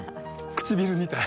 唇みたい。